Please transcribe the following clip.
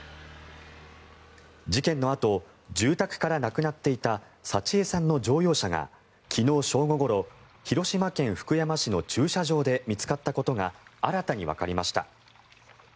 事件のあと住宅からなくなっていた幸枝さんの乗用車が昨日正午ごろ広島県福山市の駐車場で見つかったことが新たにわかりました。